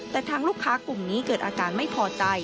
แต่ทางลูกค้ากลุ่มนี้เกิดอาการไม่พอใจ